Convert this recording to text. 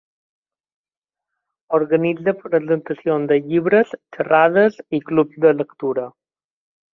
Organitza presentacions de llibres, xerrades i clubs de lectura.